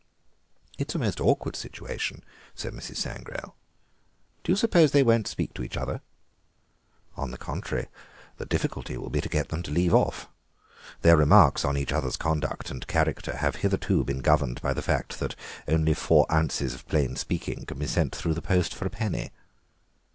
"It's a most awkward situation," said Mrs. Sangrail. "Do you suppose they won't speak to one another?" "On the contrary, the difficulty will be to get them to leave off. Their remarks on each other's conduct and character have hitherto been governed by the fact that only four ounces of plain speaking can be sent through the post for a penny."